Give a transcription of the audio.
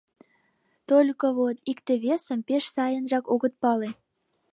Только вот икте-весым пеш сайынжак огыт пале.